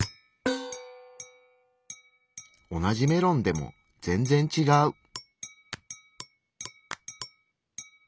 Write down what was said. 同じメロンでも全然ちがう。